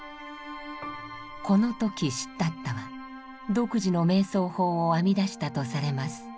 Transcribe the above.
この時シッダッタは独自の瞑想法を編み出したとされます。